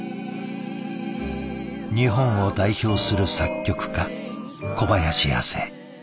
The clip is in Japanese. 日本を代表する作曲家小林亜星。